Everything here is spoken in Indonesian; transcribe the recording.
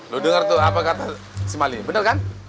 lo dengar tuh apa kata si mali benar kan